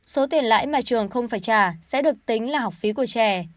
số tiền lãi mà trường không phải trả sẽ được tính là học phí của trẻ